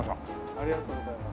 ありがとうございます。